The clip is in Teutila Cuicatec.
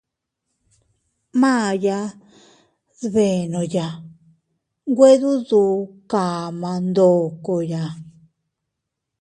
Maʼya dbenoya, nwe dudu kama ndokoya.